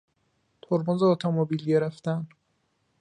ترمز اتومبیل گرفتن